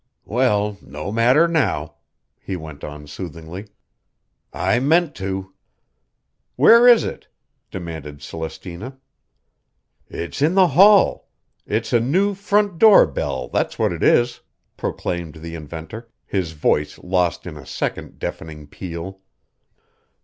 "Well, no matter now," he went on soothingly. "I meant to." "Where is it?" demanded Celestina. "It's in the hall. It's a new front door bell, that's what it is," proclaimed the inventor, his voice lost in a second deafening peal.